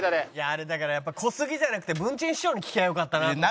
あれだからやっぱ小杉じゃなくて文珍師匠に聞きゃよかったなと。